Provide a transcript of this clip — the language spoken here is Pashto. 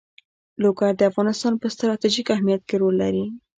لوگر د افغانستان په ستراتیژیک اهمیت کې رول لري.